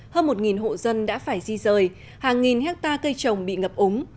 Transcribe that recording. hơn một hộ dân đã phải di rời hàng nghìn hectare cây trồng bị ngập úng